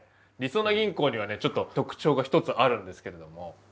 りそな銀行にはねちょっと特徴が一つあるんですけれども。